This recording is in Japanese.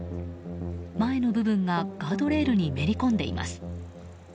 前の部分がガードレールにめり込んでいます。